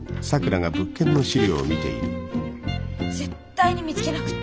絶対に見つけなくっちゃ。